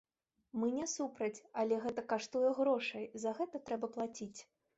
Мы не супраць, але гэта каштуе грошай, за гэта трэба плаціць.